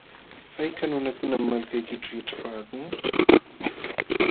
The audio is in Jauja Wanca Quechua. ¿Hayka nunakunam malkaykićhu yaćhapaakun?